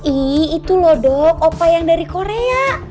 ih itu lho dok opa yang dari korea